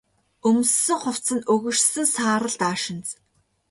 Өмссөн хувцас нь өгөршсөн саарал даашинз.